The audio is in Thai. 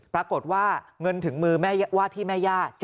ปรากฏว่าเงินถึงมือว่าที่แม่ย่า